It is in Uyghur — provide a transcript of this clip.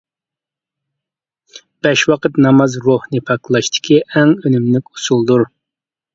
بەش ۋاقىت ناماز روھنى پاكلاشتىكى ئەڭ ئۈنۈملۈك ئۇسۇلدۇر.